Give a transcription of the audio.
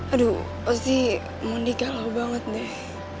aduh pasti mondi galau banget deh